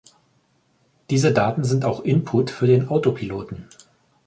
Diese Daten sind auch Input für den Autopiloten.